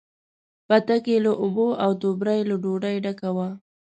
پتک یې له اوبو، او توبره یې له ډوډۍ ډکه وه.